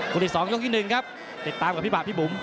คู่ที่สองยกที่หนึ่งครับติดตามกับพี่บาปพี่บุ๋ม